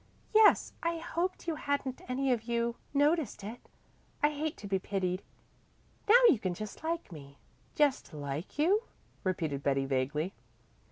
"Yes, I hoped you hadn't any of you noticed it. I hate to be pitied. Now you can just like me." "Just like you?" repeated Betty vaguely.